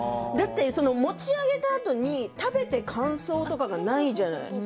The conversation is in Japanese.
持ち上げたあとに食べて感想とかないじゃない。